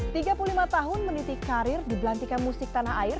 tiga puluh lima tahun meniti karir di belantikan musik tanah air